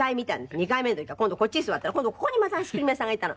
２回目の時は今度こっちに座ったら今度ここにまたアイスクリーム屋さんがいたの。